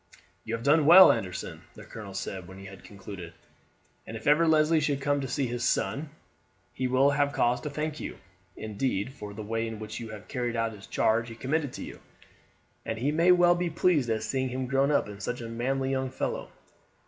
"You have done well, Anderson," the colonel said when he had concluded; "and if ever Leslie should come to see his son he will have cause to thank you, indeed, for the way in which you have carried out the charge he committed to you, and he may well be pleased at seeing him grown up such a manly young fellow.